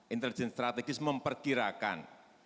intelijen strategis memperkirakan